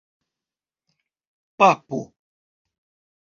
papo